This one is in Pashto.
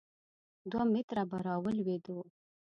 دوه متره به را ولوېدو.